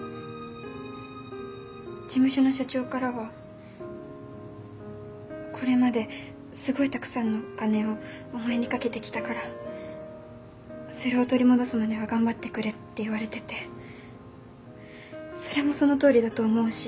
事務所の社長からは「これまですごいたくさんのお金をお前にかけてきたからそれを取り戻すまでは頑張ってくれ」って言われててそれもそのとおりだと思うし